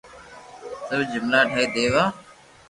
صرف جملا ٺائين ديوا